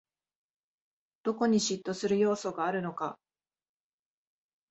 どこに嫉妬する要素があるのか